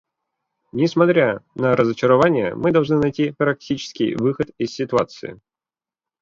Несмотря на разочарование, мы должны найти практический выход из ситуации.